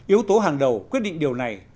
yếu tố hàng đầu quyết định điều này